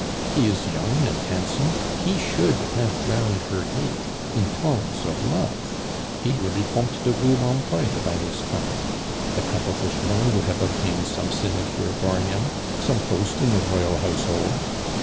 He is young and handsome, he should have drowned her hate in torrents of love, he would be Comte de Rubempre by this time; the Cuttlefish bone would have obtained some sinecure for him, some post in the Royal Household.